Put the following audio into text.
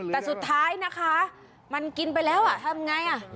แต่สุดท้ายนะคะมันกินไปแล้วทำไง